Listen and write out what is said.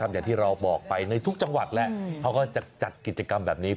อย่างที่เราบอกไปในทุกจังหวัดแหละเขาก็จะจัดกิจกรรมแบบนี้